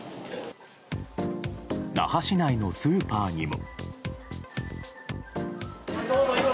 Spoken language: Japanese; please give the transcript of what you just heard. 那覇市内のスーパーにも。